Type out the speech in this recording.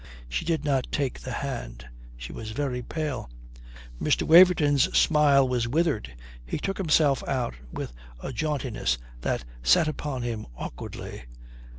She did not take the hand. She was very pale. Mr. Waverton's smile was withered. He took himself out with a jauntiness that sat upon him awkwardly.